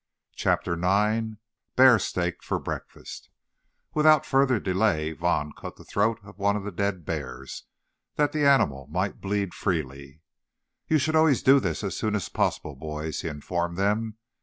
CHAPTER IX BEAR STEAK FOR BREAKFAST Without further delay Vaughn cut the throat of one of the dead bears, that the animal might bleed freely. "You always should do this as soon as possible, boys," he informed them.